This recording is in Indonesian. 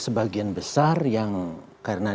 sebagian besar yang karena